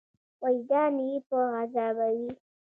وجدان یې په عذابوي.